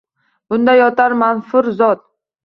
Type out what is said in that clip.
«Bunda yotar manfur zot!